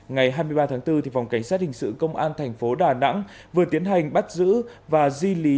ngày hai mươi ba tháng bốn phòng cảnh sát hình sự công an thành phố đà nẵng vừa tiến hành bắt giữ và di lý